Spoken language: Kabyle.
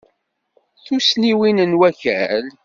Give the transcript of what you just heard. Tussniwin n wakal.